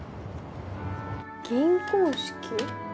銀婚式？